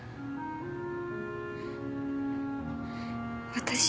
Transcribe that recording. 私